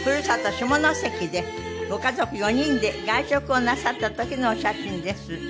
下関でご家族４人で外食をなさった時のお写真です。